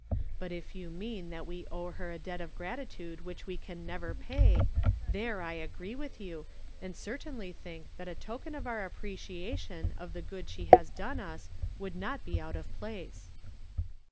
But' if you mean that we owe her a debt of gratitude which we can never pay, there I agree with you, and certainly think that a token of our apprecia tion of the good she has done us would not be out of place."